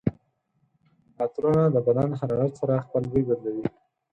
عطرونه د بدن حرارت سره خپل بوی بدلوي.